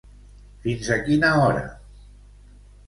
Fins a quina hora?